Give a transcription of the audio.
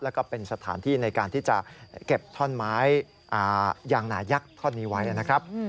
แล้วก็เป็นสถานที่ในการที่จะเก็บท่อนไม้ยางนายักษ่อนนี้ไว้นะครับ